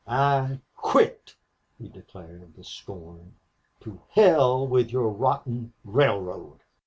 "I quit," he declared, with scorn. "To hell with your rotten railroad!"